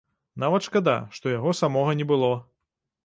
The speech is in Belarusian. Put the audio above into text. Нават шкада, што яго самога не было.